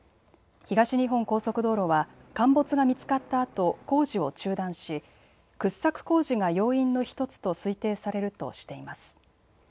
東日本高速道路は陥没が見つかったあと、工事を中断し掘削工事が要因の１つと推定されるとしています。